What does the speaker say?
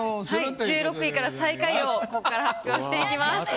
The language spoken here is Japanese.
はい１６位から最下位をこっから発表していきます。